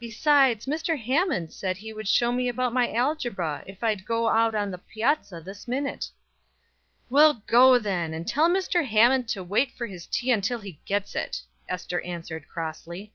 Besides, Mr. Hammond said he would show me about my algebra if I'd go out on the piazza this minute." "Well, go then, and tell Mr. Hammond to wait for his tea until he gets it!" Ester answered, crossly.